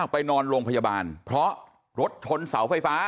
ไปนอนโรงพยาบาลเพราะรถชนเสาไฟฟ้า